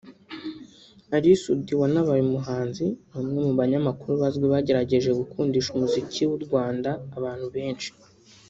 Ally Soudy wanabaye umuhanzi ni umwe mu banyamakuru bazwi bagerageje gukundisha umuziki w’u Rwanda abantu benshi